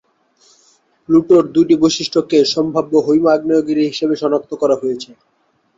প্লুটোর দু’টি বৈশিষ্ট্যকে সম্ভাব্য হৈম-আগ্নেয়গিরি হিসেবে শনাক্ত করা হয়েছে।